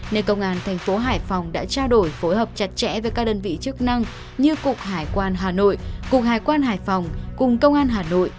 nên công an thành phố hải phòng đã trao đổi phối hợp chặt chẽ với các đơn vị chức năng như cục hải quan hà nội cục hải quan hải phòng cùng công an hà nội